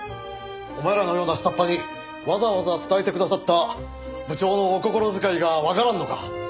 お前らのような下っ端にわざわざ伝えてくださった部長のお心遣いがわからんのか？